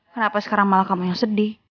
kenapa sekarang malah kamu yang sedih